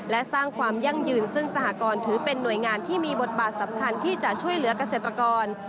และสร้างความยั่งยืนซึ่งสหกรณ์ถือเป็นหน่วยงานที่มีบทบาทสำคัญที่จะช่วยเหลือกเกษตรกร